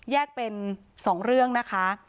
แยกเป็น๒เรื่องนะคะ